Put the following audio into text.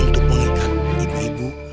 untuk mengingat ibu ibu